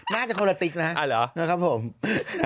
น่าจะคนละติ๊กนะ